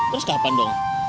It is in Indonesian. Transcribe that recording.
terus kapan dong